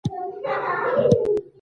يو واري بيا څلور ياره.